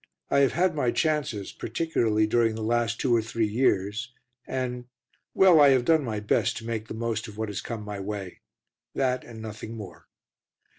I have had my chances, particularly during the last two or three years, and well, I have done my best to make the most of what has come my way. That and nothing more.